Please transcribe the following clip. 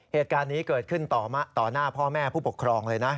เหตุการณ์นี้เกิดขึ้นต่อหน้าพ่อแม่ผู้ปกครองเลยนะ